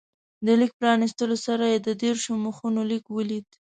د لیک پرانستلو سره یې د دېرشو مخونو لیک ولید.